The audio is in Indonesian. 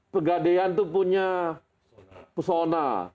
pegadean itu punya pesona